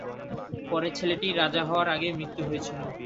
পরে ছেলেটির রাজা হওয়ার আগেই মৃত্যু হয়েছিল।